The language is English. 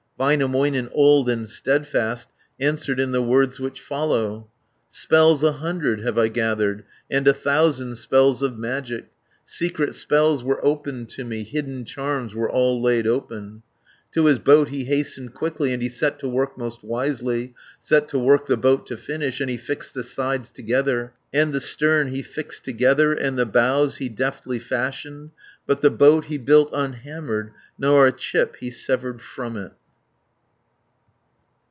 Väinämöinen, old and steadfast, Answered in the words which follow: "Spells a hundred have I gathered, And a thousand spells of magic, Secret spells were opened to me, Hidden charms were all laid open." 620 To his boat he hastened quickly, And he set to work most wisely, Set to work the boat to finish, And he fixed the sides together, And the stern he fixed together, And the bows he deftly fashioned, But the boat he built unhammered, Nor a chip he severed from it.